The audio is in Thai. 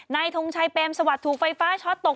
นายทุ่งชายแปมสวัสดิ์ถูกไฟฟ้าช็อตตก